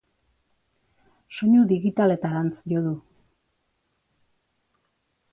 Soinu digitaletarantz jo du.